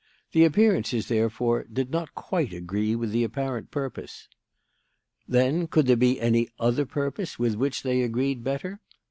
The appearances, therefore, did not quite agree with the apparent purpose. "Then, could there be any other purpose with which they agreed better?